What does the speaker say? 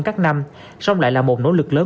các năm song lại là một nỗ lực lớn